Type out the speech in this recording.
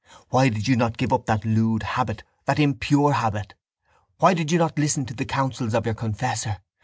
Why did you not give up that lewd habit, that impure habit? Why did you not listen to the counsels of your confessor?